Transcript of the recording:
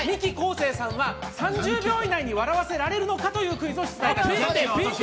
生さんは３０秒以内に笑わせられるのかというクイズです。